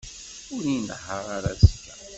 Ur inehheṛ ara azekka.